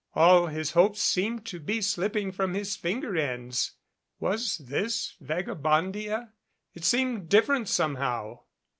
All his hopes seemed to be slipping from his finger ends. Was this Vagabondia? It seemed different somehow.